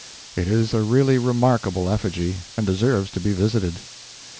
It is a really remarkable effigy, and deserves to be visited.